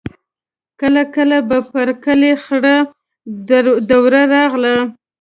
کله کله به پر کلي خړه دوړه راغله.